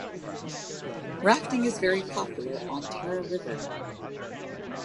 Rafting is very popular on Tara River.